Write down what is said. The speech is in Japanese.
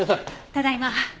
ただいま。